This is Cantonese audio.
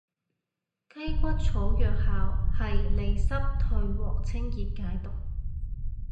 雞骨草藥效係利濕退黃清熱解毒